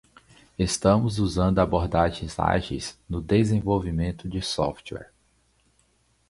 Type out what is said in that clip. Estamos usando abordagens ágeis no desenvolvimento de software.